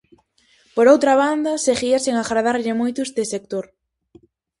Por outra banda, seguía sen agradarlle moito este sector.